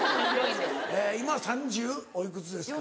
今３０おいくつですか？